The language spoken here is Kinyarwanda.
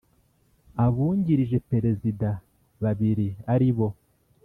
Abungirije Perezida babiri aribo